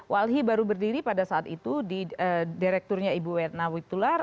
walhi baru berdiri pada saat itu di direkturnya ibu wetna wibtular